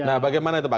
nah bagaimana itu pak